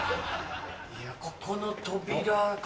・いやここの扉か